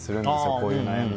こういう悩み。